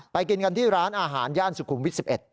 กินกันที่ร้านอาหารย่านสุขุมวิทย์๑๑